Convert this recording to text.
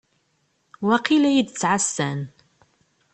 Waqil ad yi-d-ttɛassan.